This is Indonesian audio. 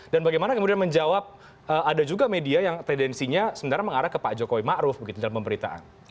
dan bagaimana kemudian menjawab ada juga media yang tendensinya sebenarnya mengarah ke pak jokowi ma'ruf dalam pemberitaan